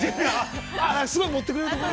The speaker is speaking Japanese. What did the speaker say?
◆すごい盛ってくれるところ。